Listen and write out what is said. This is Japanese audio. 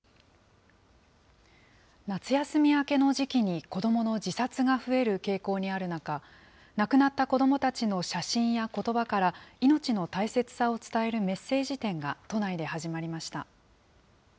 夏休み明けの時期に子どもの自殺が増える傾向にある中、亡くなった子どもたちの写真やことばから、命の大切さを伝えるメッセージ展が都内で始まりました。